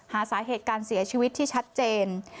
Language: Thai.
หาสาเหตุการเสียชีวิตที่ชัดเจน